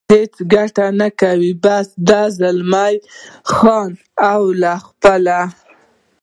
هېڅ ګټه نه کوي، بس یې ده، زلمی خان او له خپلو.